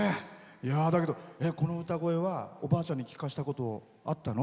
この歌声は、おばあちゃんに聞かせたことあったの？